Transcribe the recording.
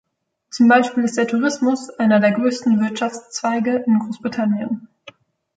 Zum Beispiel ist der Tourismus einer der größten Wirtschaftszweige in Großbritannien.